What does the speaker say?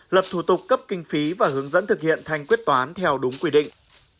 lập thủ tục cấp kinh phí và hướng dẫn thực hiện thanh quyết toán theo đúng quy định